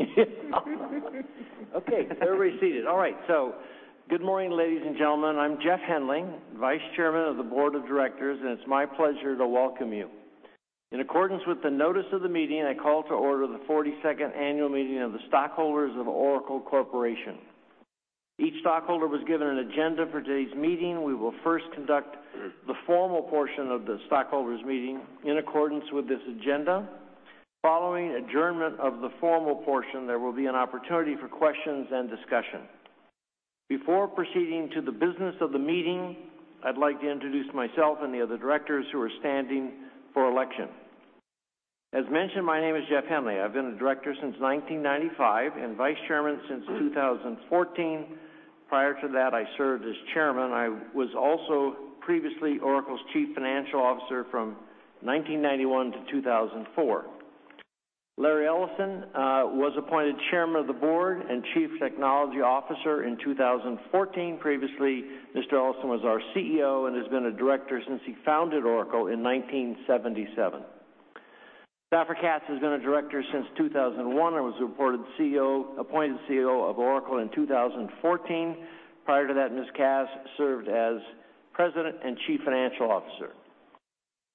I think things are. Okay, everybody's seated. All right. Good morning, ladies and gentlemen. I'm Jeff Henley, vice chairman of the board of directors, and it's my pleasure to welcome you. In accordance with the notice of the meeting, I call to order the 42nd annual meeting of the stockholders of Oracle Corporation. Each stockholder was given an agenda for today's meeting. We will first conduct the formal portion of the stockholder's meeting in accordance with this agenda. Following adjournment of the formal portion, there will be an opportunity for questions and discussion. Before proceeding to the business of the meeting, I'd like to introduce myself and the other directors who are standing for election. As mentioned, my name is Jeff Henley. I've been a director since 1995, and vice chairman since 2014. Prior to that, I served as chairman. I was also previously Oracle's chief financial officer from 1991 to 2004. Larry Ellison was appointed Chairman of the Board and Chief Technology Officer in 2014. Previously, Mr. Ellison was our CEO and has been a director since he founded Oracle in 1977. Safra Catz has been a director since 2001 and was appointed CEO of Oracle in 2014. Prior to that, Ms. Catz served as president and chief financial officer.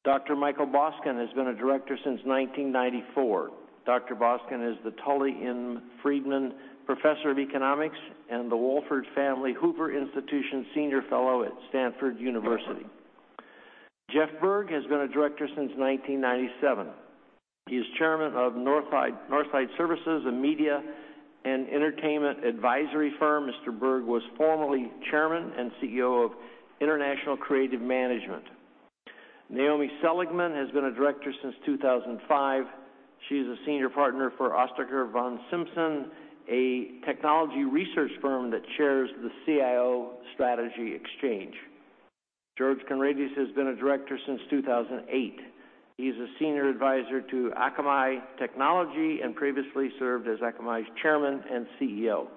Dr. Michael Boskin has been a director since 1994. Dr. Boskin is the Tully M. Friedman Professor of Economics and the Wohlford Family Hoover Institution Senior Fellow at Stanford University. Jeff Berg has been a director since 1997. He is chairman of Northside Services, a media and entertainment advisory firm. Mr. Berg was formerly chairman and CEO of International Creative Management. Naomi Seligman has been a director since 2005. She is a senior partner for Ostriker von Simson, a technology research firm that chairs the CIO Strategy Exchange. George Conrades has been a director since 2008. He is a senior advisor to Akamai Technologies and previously served as Akamai's chairman and CEO.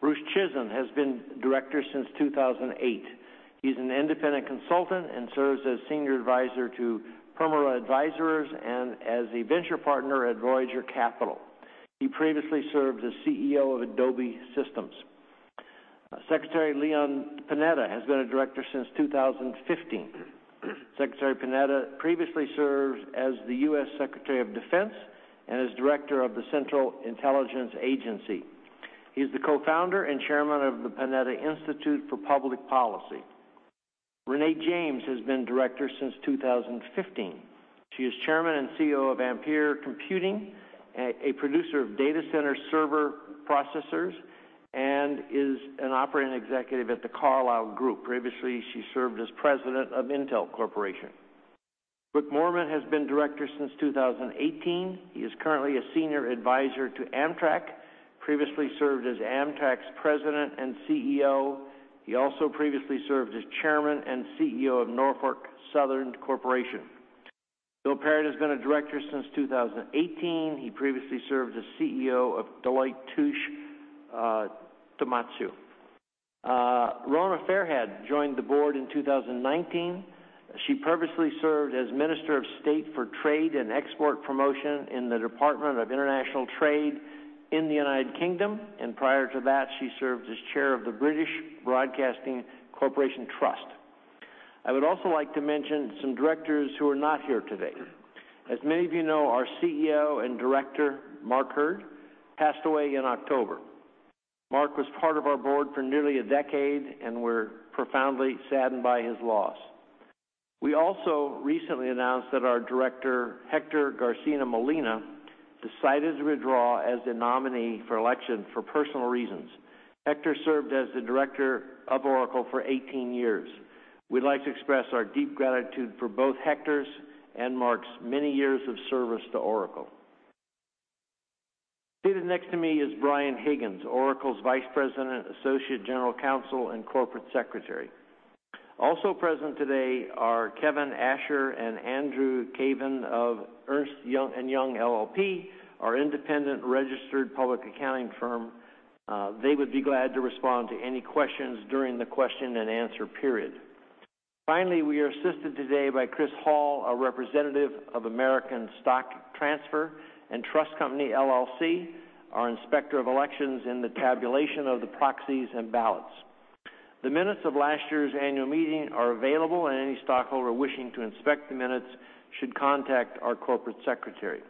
Bruce Chizen has been a director since 2008. He's an independent consultant and serves as senior advisor to Permira Advisers and as a venture partner at Voyager Capital. He previously served as CEO of Adobe Systems. Secretary Leon Panetta has been a director since 2015. Secretary Panetta previously served as the U.S. Secretary of Defense and as director of the Central Intelligence Agency. He is the co-founder and chairman of the Panetta Institute for Public Policy. Renée James has been a director since 2015. She is Chairman and CEO of Ampere Computing, a producer of data center server processors, and is an operating executive at The Carlyle Group. Previously, she served as president of Intel Corporation. Wick Moorman has been director since 2018. He is currently a senior advisor to Amtrak, previously served as Amtrak's president and CEO. He also previously served as chairman and CEO of Norfolk Southern Corporation. Bill Parrett has been a director since 2018. He previously served as CEO of Deloitte Touche Tohmatsu. Rona Fairhead joined the board in 2019. She previously served as Minister of State for Trade and Export Promotion in the Department for International Trade in the United Kingdom, and prior to that, she served as chair of the British Broadcasting Corporation Trust. I would also like to mention some directors who are not here today. As many of you know, our CEO and director, Mark Hurd, passed away in October. Mark was part of our board for nearly a decade, and we're profoundly saddened by his loss. We also recently announced that our director, Hector Garcia-Molina, decided to withdraw as the nominee for election for personal reasons. Hector served as the director of Oracle for 18 years. We'd like to express our deep gratitude for both Hector's and Mark's many years of service to Oracle. Seated next to me is Brian Higgins, Oracle's vice president, associate general counsel, and corporate secretary. Also present today are Kevin Asher and Andrew Caven of Ernst & Young LLP, our independent registered public accounting firm. They would be glad to respond to any questions during the question and answer period. Finally, we are assisted today by Chris Hall, a representative of American Stock Transfer and Trust Company LLC, our Inspector of Elections in the tabulation of the proxies and ballots. The minutes of last year's annual meeting are available, and any stockholder wishing to inspect the minutes should contact our corporate secretary.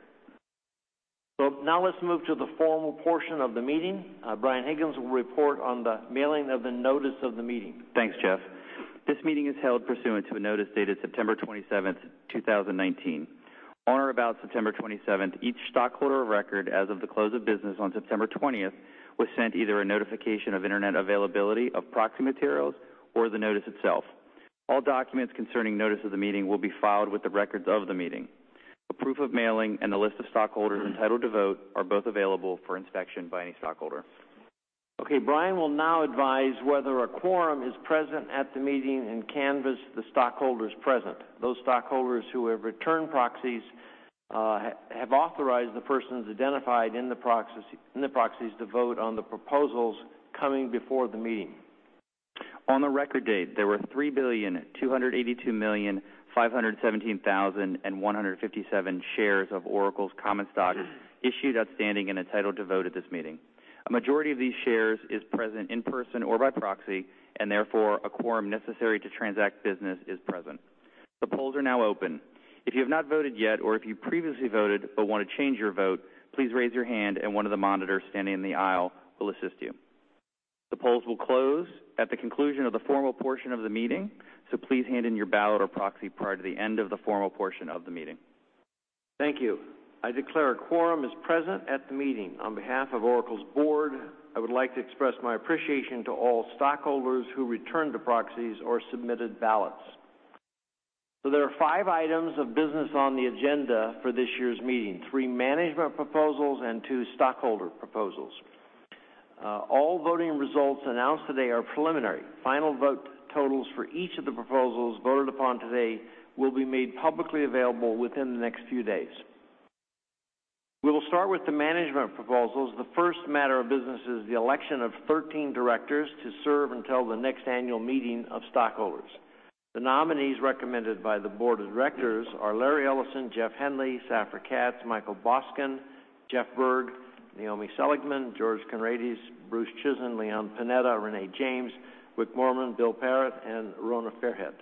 Now let's move to the formal portion of the meeting. Brian Higgins will report on the mailing of the notice of the meeting. Thanks, Jeff. This meeting is held pursuant to a notice dated September 27th, 2019. On or about September 27th, each stockholder of record as of the close of business on September 20th was sent either a notification of internet availability of proxy materials or the notice itself. All documents concerning notice of the meeting will be filed with the records of the meeting. A proof of mailing and a list of stockholders entitled to vote are both available for inspection by any stockholder. Okay. Brian will now advise whether a quorum is present at the meeting and canvass the stockholders present. Those stockholders who have returned proxies have authorized the persons identified in the proxies to vote on the proposals coming before the meeting. On the record date, there were 3,282,517,157 shares of Oracle's common stock issued, outstanding, and entitled to vote at this meeting. A majority of these shares is present in person or by proxy, and therefore, a quorum necessary to transact business is present. The polls are now open. If you have not voted yet, or if you previously voted but want to change your vote, please raise your hand and one of the monitors standing in the aisle will assist you. The polls will close at the conclusion of the formal portion of the meeting, so please hand in your ballot or proxy prior to the end of the formal portion of the meeting. Thank you. I declare a quorum is present at the meeting. On behalf of Oracle's Board, I would like to express my appreciation to all stockholders who returned the proxies or submitted ballots. There are five items of business on the agenda for this year's meeting, three management proposals and two stockholder proposals. All voting results announced today are preliminary. Final vote totals for each of the proposals voted upon today will be made publicly available within the next few days. We will start with the management proposals. The first matter of business is the election of 13 directors to serve until the next annual meeting of stockholders. The nominees recommended by the Board of Directors are Larry Ellison, Jeff Henley, Safra Catz, Michael Boskin, Jeff Berg, Naomi Seligman, George Conrades, Bruce Chizen, Leon Panetta, Renée James, Wick Moorman, Bill Parrett, and Rona Fairhead.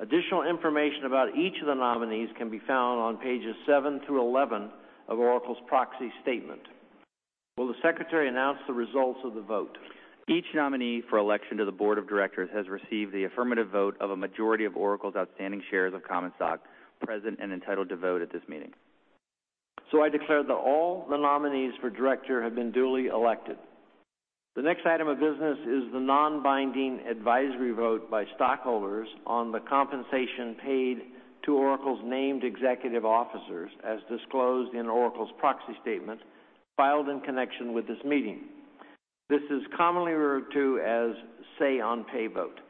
Additional information about each of the nominees can be found on pages seven through 11 of Oracle's proxy statement. Will the secretary announce the results of the vote? Each nominee for election to the board of directors has received the affirmative vote of a majority of Oracle's outstanding shares of common stock present and entitled to vote at this meeting. I declare that all the nominees for director have been duly elected. The next item of business is the non-binding advisory vote by stockholders on the compensation paid to Oracle's named executive officers, as disclosed in Oracle's proxy statement filed in connection with this meeting. This is commonly referred to as say-on-pay vote.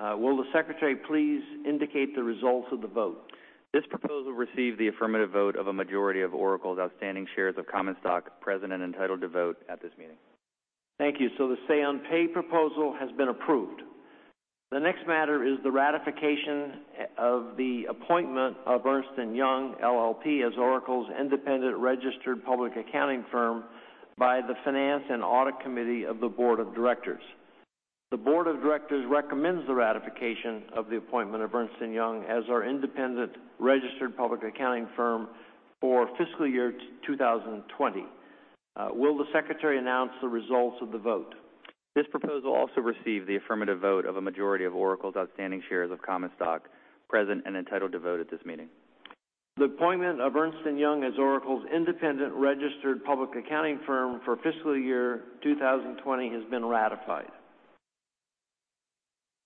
Will the secretary please indicate the results of the vote? This proposal received the affirmative vote of a majority of Oracle's outstanding shares of common stock present and entitled to vote at this meeting. Thank you. The say-on-pay proposal has been approved. The next matter is the ratification of the appointment of Ernst & Young LLP as Oracle's independent registered public accounting firm by the Finance and Audit Committee of the board of directors. The board of directors recommends the ratification of the appointment of Ernst & Young as our independent registered public accounting firm for fiscal year 2020. Will the secretary announce the results of the vote? This proposal also received the affirmative vote of a majority of Oracle's outstanding shares of common stock present and entitled to vote at this meeting. The appointment of Ernst & Young as Oracle's independent registered public accounting firm for fiscal year 2020 has been ratified.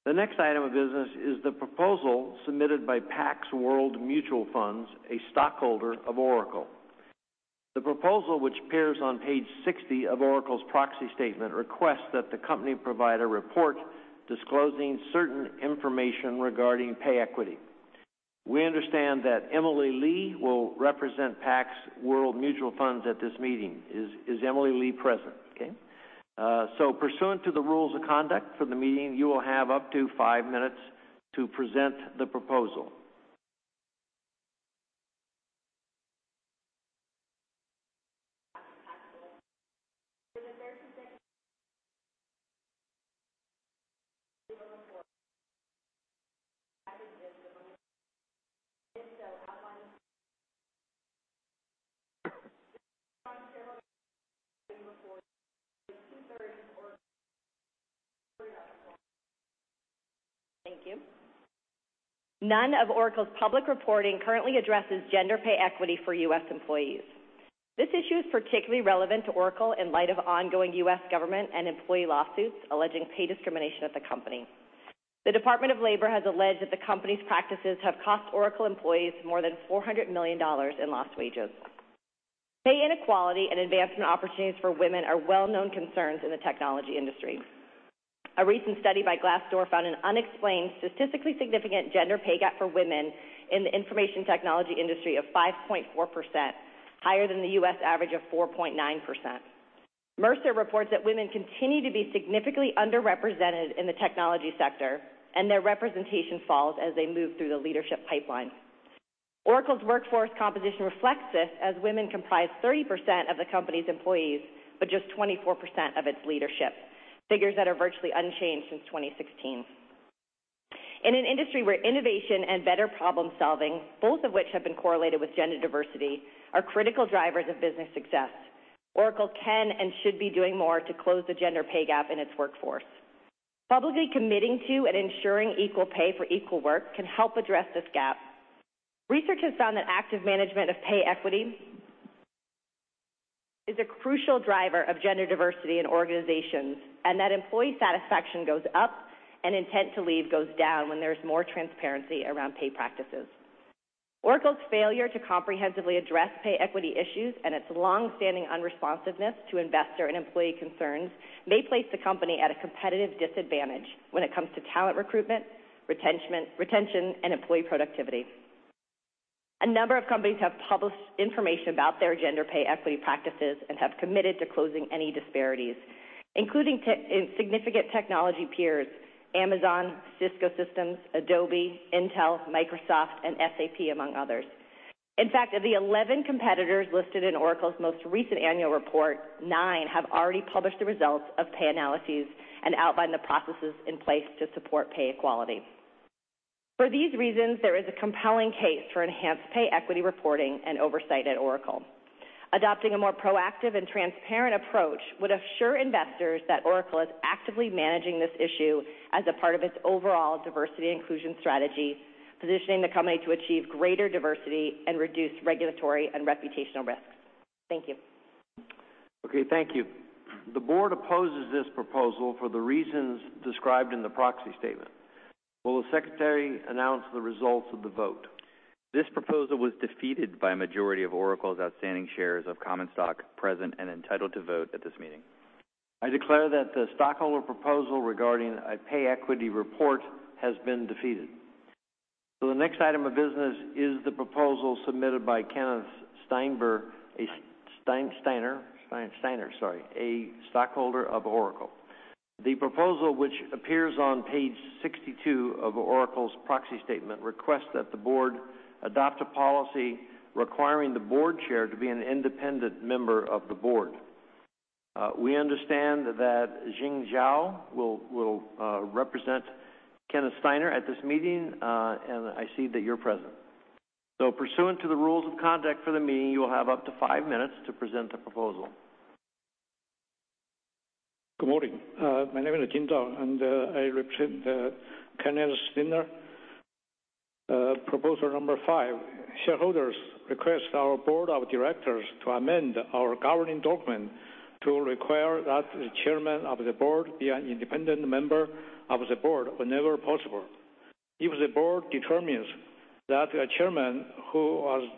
The next item of business is the proposal submitted by Pax World Mutual Funds, a stockholder of Oracle. The proposal, which appears on page 60 of Oracle's proxy statement, requests that the company provide a report disclosing certain information regarding pay equity. We understand that Emily Lee will represent Pax World Mutual Funds at this meeting. Is Emily Lee present? Okay. Pursuant to the rules of conduct for the meeting, you will have up to five minutes to present the proposal. Thank you. None of Oracle's public reporting currently addresses gender pay equity for U.S. employees. This issue is particularly relevant to Oracle in light of ongoing U.S. government and employee lawsuits alleging pay discrimination at the company. The Department of Labor has alleged that the company's practices have cost Oracle employees more than $400 million in lost wages. Pay inequality and advancement opportunities for women are well-known concerns in the technology industry. A recent study by Glassdoor found an unexplained, statistically significant gender pay gap for women in the information technology industry of 5.4%, higher than the U.S. average of 4.9%. Mercer reports that women continue to be significantly underrepresented in the technology sector, and their representation falls as they move through the leadership pipeline. Oracle's workforce composition reflects this, as women comprise 30% of the company's employees, but just 24% of its leadership, figures that are virtually unchanged since 2016. In an industry where innovation and better problem-solving, both of which have been correlated with gender diversity, are critical drivers of business success, Oracle can and should be doing more to close the gender pay gap in its workforce. Publicly committing to and ensuring equal pay for equal work can help address this gap. Research has found that active management of pay equity is a crucial driver of gender diversity in organizations and that employee satisfaction goes up and intent to leave goes down when there's more transparency around pay practices. Oracle's failure to comprehensively address pay equity issues and its longstanding unresponsiveness to investor and employee concerns may place the company at a competitive disadvantage when it comes to talent recruitment, retention, and employee productivity. A number of companies have published information about their gender pay equity practices and have committed to closing any disparities, including significant technology peers, Amazon, Cisco Systems, Adobe, Intel, Microsoft, and SAP, among others. In fact, of the 11 competitors listed in Oracle's most recent annual report, nine have already published the results of pay analyses and outlined the processes in place to support pay equality. For these reasons, there is a compelling case for enhanced pay equity reporting and oversight at Oracle. Adopting a more proactive and transparent approach would assure investors that Oracle is actively managing this issue as a part of its overall diversity inclusion strategy, positioning the company to achieve greater diversity and reduce regulatory and reputational risks. Thank you. Okay. Thank you. The board opposes this proposal for the reasons described in the proxy statement. Will the secretary announce the results of the vote? This proposal was defeated by a majority of Oracle's outstanding shares of common stock present and entitled to vote at this meeting. I declare that the stockholder proposal regarding a pay equity report has been defeated. The next item of business is the proposal submitted by Kenneth Steiner, a stockholder of Oracle. The proposal, which appears on page 62 of Oracle's proxy statement, requests that the board adopt a policy requiring the board chair to be an independent member of the board. We understand that Jing Zhao will represent Kenneth Steiner at this meeting, and I see that you're present. Pursuant to the rules of conduct for the meeting, you will have up to five minutes to present the proposal. Good morning. My name is Jing Zhao, and I represent Kenneth Steiner. Proposal number five. Shareholders request our board of directors to amend our governing document to require that the chairman of the board be an independent member of the board whenever possible. If the board determines that a chairman who was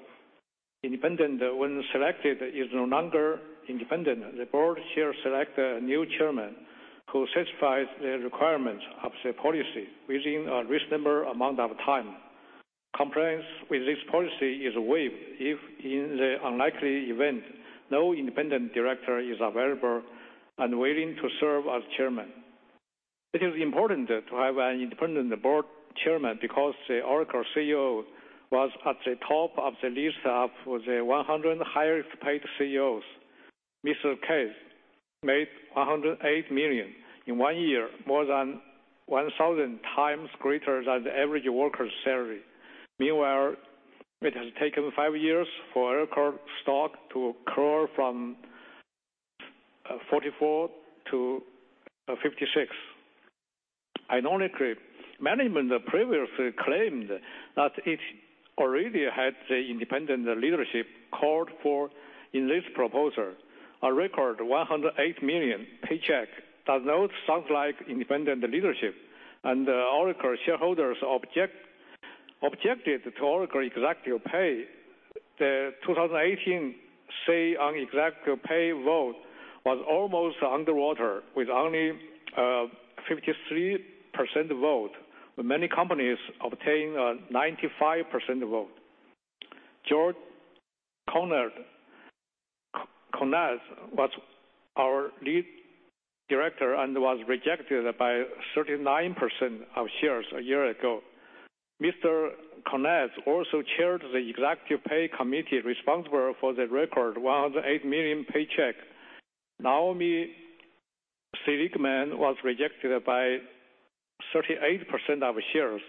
independent when selected is no longer independent, the board shall select a new chairman who satisfies the requirements of the policy within a reasonable amount of time. Compliance with this policy is waived if, in the unlikely event, no independent director is available and willing to serve as chairman. It is important to have an independent board chairman because the Oracle CEO was at the top of the list of the 100 highest-paid CEOs. Ms. Catz made $108 million in one year, more than 1,000 times greater than the average worker's salary. Meanwhile, it has taken five years for Oracle stock to occur from 44 to 56. Ironically, management previously claimed that it already had the independent leadership called for in this proposal. A record $108 million paycheck does not sound like independent leadership, and Oracle shareholders objected to Oracle executive pay. The 2018 say on executive pay vote was almost underwater with only a 53% vote, with many companies obtaining a 95% vote. George Conrades was our lead director and was rejected by 39% of shares a year ago. Mr. Conrades also chaired the executive pay committee responsible for the record $108 million paycheck. Naomi Seligman was rejected by 38% of shares.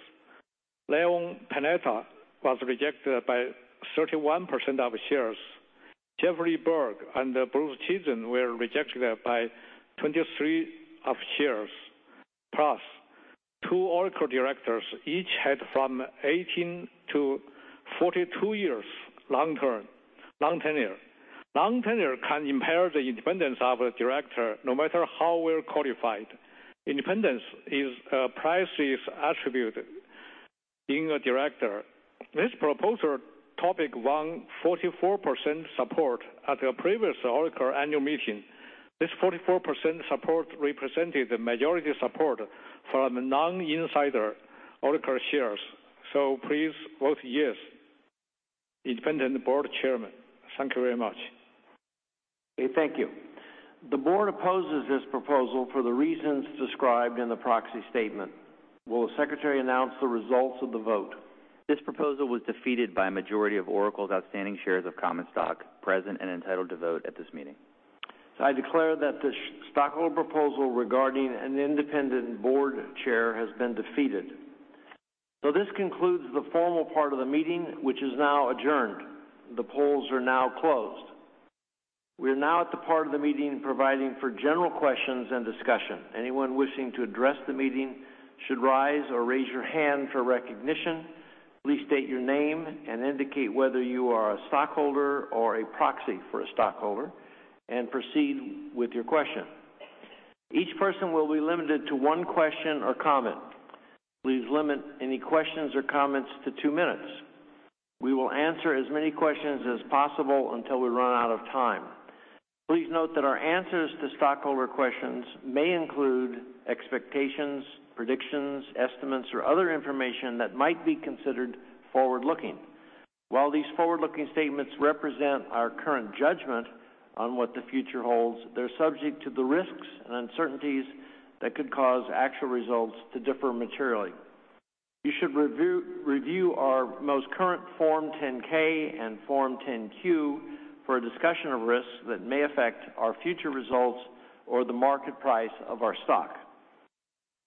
Leon Panetta was rejected by 31% of shares. Jeffrey Berg and Bruce Chizen were rejected by 23% of shares. Plus, two Oracle directors each had from 18-42 years long tenure. Long tenure can impair the independence of a director, no matter how well qualified. Independence is a prized attribute being a director. This proposal topic won 44% support at a previous Oracle annual meeting. This 44% support represented the majority support from non-insider Oracle shares. Please vote yes. Independent board chairman. Thank you very much. Okay. Thank you. The board opposes this proposal for the reasons described in the proxy statement. Will the secretary announce the results of the vote? This proposal was defeated by a majority of Oracle's outstanding shares of common stock present and entitled to vote at this meeting. I declare that the stockholder proposal regarding an independent board chair has been defeated. This concludes the formal part of the meeting, which is now adjourned. The polls are now closed. We're now at the part of the meeting providing for general questions and discussion. Anyone wishing to address the meeting should rise or raise your hand for recognition. Please state your name and indicate whether you are a stockholder or a proxy for a stockholder, and proceed with your question. Each person will be limited to one question or comment. Please limit any questions or comments to two minutes. We will answer as many questions as possible until we run out of time. Please note that our answers to stockholder questions may include expectations, predictions, estimates, or other information that might be considered forward-looking. While these forward-looking statements represent our current judgment on what the future holds, they're subject to the risks and uncertainties that could cause actual results to differ materially. You should review our most current Form 10-K and Form 10-Q for a discussion of risks that may affect our future results or the market price of our stock.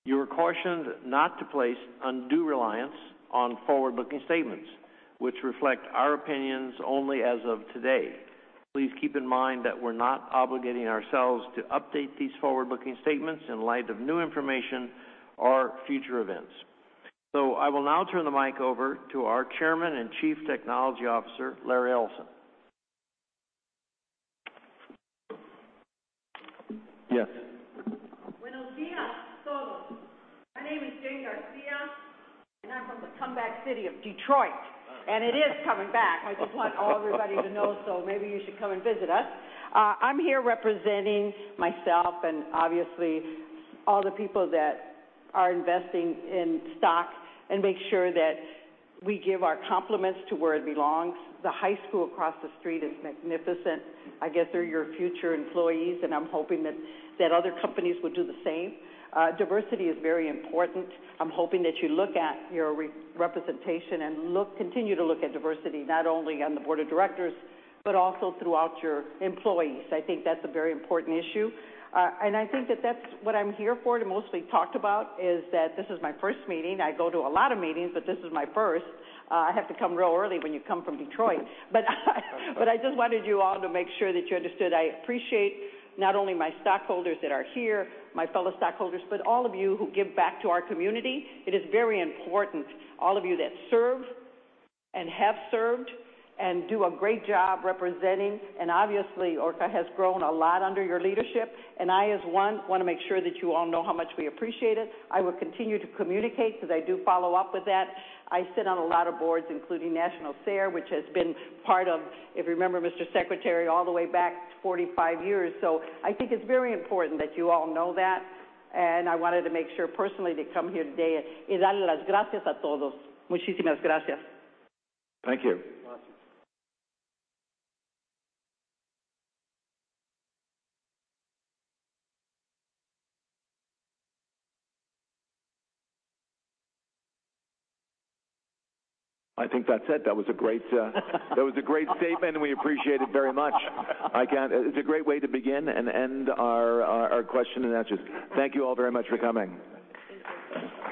You are cautioned not to place undue reliance on forward-looking statements, which reflect our opinions only as of today. Please keep in mind that we're not obligating ourselves to update these forward-looking statements in light of new information or future events. I will now turn the mic over to our Chairman and Chief Technology Officer, Larry Ellison. Yes. My name is Jane Garcia, and I'm from the comeback city of Detroit, and it is coming back. I just want all everybody to know, so maybe you should come and visit us. I'm here representing myself and obviously all the people that are investing in stock and make sure that we give our compliments to where it belongs. The high school across the street is magnificent. I guess they're your future employees, and I'm hoping that other companies would do the same. Diversity is very important. I'm hoping that you look at your representation and continue to look at diversity, not only on the board of directors, but also throughout your employees. I think that's a very important issue. I think that that's what I'm here for to mostly talk about is that this is my first meeting. I go to a lot of meetings, but this is my first. I have to come real early when you come from Detroit. I just wanted you all to make sure that you understood I appreciate not only my stockholders that are here, my fellow stockholders, but all of you who give back to our community. It is very important, all of you that serve and have served and do a great job representing. Obviously, Oracle has grown a lot under your leadership, and I as one want to make sure that you all know how much we appreciate it. I will continue to communicate because I do follow up with that. I sit on a lot of boards, including National FAIR, which has been part of, if you remember, Secretary, all the way back 45 years. I think it's very important that you all know that, and I wanted to make sure personally to come here today. Thank you. Awesome. I think that's it. That was a great statement. We appreciate it very much. It's a great way to begin and end our question and answers. Thank you all very much for coming. Thank you.